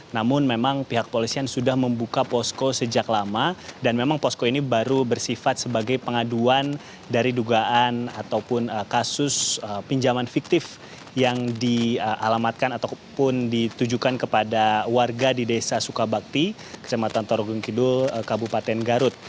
namun memang pihak polisian sudah membuka posko sejak lama dan memang posko ini baru bersifat sebagai pengaduan dari dugaan ataupun kasus pinjaman fiktif yang dialamatkan ataupun ditujukan kepada warga di desa sukabakti kecamatan torogong kidul kabupaten garut